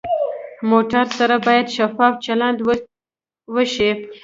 موټر سره باید شفاف چلند وشي.